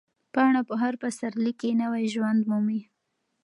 پاڼه په هر پسرلي کې نوی ژوند مومي.